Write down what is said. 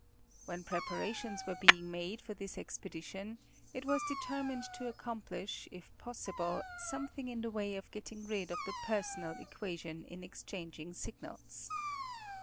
When preparations were being made for this expedition, it was determined to accomplish if possible. something in the way of getting rid of the personal equation in exchanging signals.